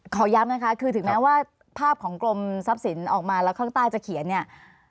ขอย้ำนะคะคือถึงแม้ว่าภาพของกรมทรัพย์สินออกมาแล้วข้างใต้จะเขียนเนี่ย